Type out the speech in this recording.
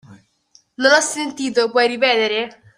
Non ho sentito, puoi ripetere?